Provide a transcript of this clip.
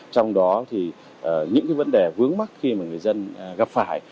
trong đó thì những vấn đề vướng mắt khi mà người dân gặp phải